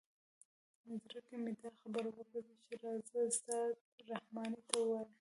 زړه کې مې دا خبره وګرځېده چې راځه استاد رحماني ته ووایه.